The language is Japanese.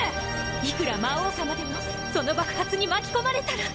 いくら魔王さまでもその爆発に巻き込まれたら。